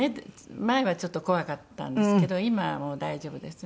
前はちょっと怖かったんですけど今はもう大丈夫ですね。